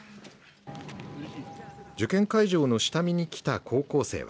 受験会場の下見に来た高校生は。